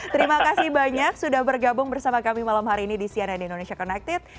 terima kasih banyak sudah bergabung bersama kami malam hari ini di cnn indonesia connected